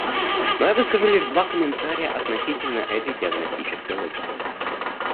Но я выскажу лишь два комментария относительно этой диагностической логики.